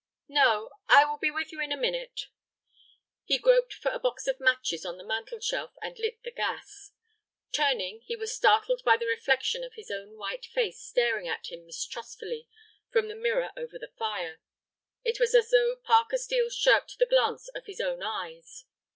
"No. I will be with you in a minute." He groped for a box of matches on the mantel shelf and lit the gas. Turning, he was startled by the reflection of his own white face staring at him mistrustfully from the mirror over the fire. It was as though Parker Steel shirked the glance of his own eyes.